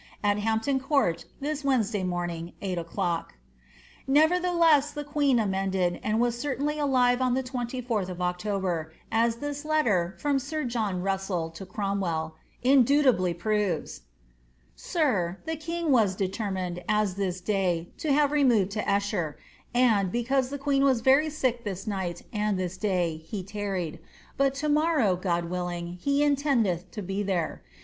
At Hampton Court this Wednesday Doraing,' eight o'clock." Nevertheless, the queen amended, and was certainly alive on the 24 th of October^ as this letter, from sir John Russell to Cromwell, indubitably proves >—•* Sir,— The king was determined, as this day, to have removed to Esher ; and, because the queen was very sick this night and this day, he tarried ; but to morrow, God willing, he intendeth to be there.